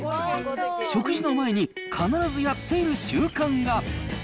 食事の前に必ずやっている習慣が。